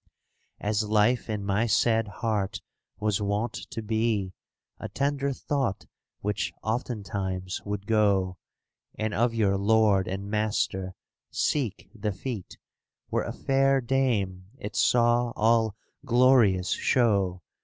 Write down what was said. As life in my sad heart was wont to be A tender thought which oftentimes would go. And of your Lord and Master seek the feet, Where a fair dame it saw all glorious show.